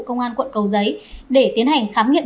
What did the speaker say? công an quận cầu giấy để tiến hành khám nghiệm